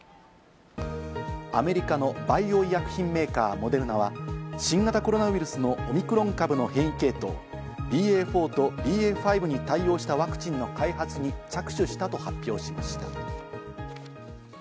アメリカのバイオ医薬品メーカー・モデルナは新型コロナウイルスのオミクロン株の変異系統、ＢＡ．４とＢＡ．５に対応したワクチンの開発に着手したと発表しました。